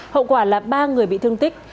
hậu quả là ba người bị thương tích